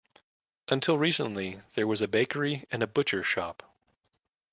Until recently there was a bakery and a butcher's shop.